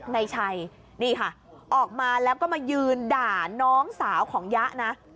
นายชัยนี่ค่ะออกมาแล้วก็มายืนด่าน้องสาวของยะนะ